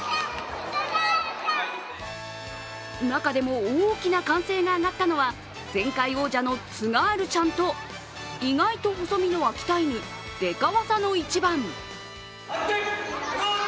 中でも大きな歓声が上がったのは前回王者のつがーるちゃんと意外と細身の秋田犬、デカわさの一番。